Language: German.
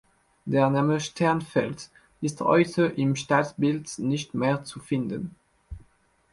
Der Name „Sternfeld“ ist heute im Stadtbild nicht mehr zu finden.